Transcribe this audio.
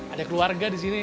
ada keluarga di sini